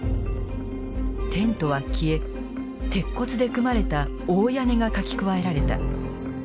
テントは消え鉄骨で組まれた大屋根が描き加えられた。